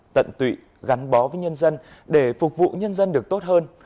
tận tụy gắn bó với nhân dân để phục vụ nhân dân được tốt hơn